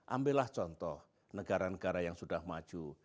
ambillah contoh negara negara yang sudah maju